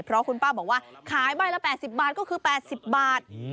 เพราะคุณป้าบอกว่าขายใบละ๘๐บาทก็คือ๘๐บาท